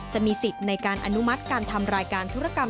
จะมีสิทธิ์ในการอนุมัติการทำรายการธุรกรรม